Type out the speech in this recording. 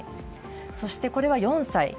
そして、これは４歳。